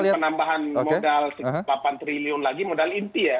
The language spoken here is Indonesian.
dengan penambahan modal delapan triliun lagi modal inti ya